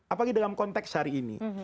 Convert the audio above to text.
apalagi dalam konteks hari ini